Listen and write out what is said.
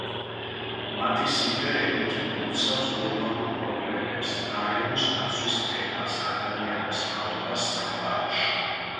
მათი სიმღერები კი მოიცავს გლობალურ პრობლემებს, გარემოს დაცვის თემას, ადამიანის რაობას სამყაროში.